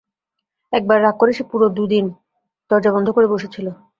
একবার রাগ করে সে পুরো দুদিন দরজা বন্ধ করে বসেছিল।